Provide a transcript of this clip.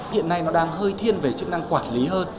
hiện nay nó đang hơi thiên về chức năng quản lý hơn